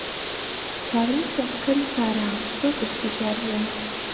کابرای سواڵکەری پارە، زۆر برسی دیار بوو.